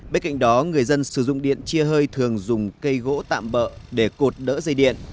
bên cạnh đó người dân sử dụng điện chia hơi thường dùng cây gỗ tạm bỡ để cột đỡ dây điện